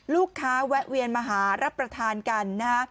แวะเวียนมาหารับประทานกันนะฮะ